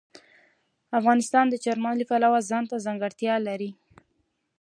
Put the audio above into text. افغانستان د چار مغز د پلوه ځانته ځانګړتیا لري.